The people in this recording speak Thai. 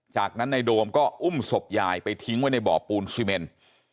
จากนั้นนายโดมก็อุ้มศพยายไปทิ้งไว้ในบ่อปูนซีเมน